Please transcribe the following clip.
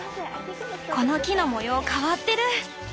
この木の模様変わってる。